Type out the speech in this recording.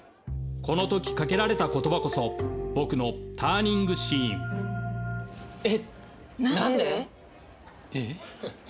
この時掛けられた言葉こそ僕のターニングシーンえ？